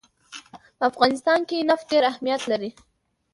په افغانستان کې نفت ډېر اهمیت لري.